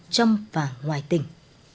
trong và ngoài tỉnh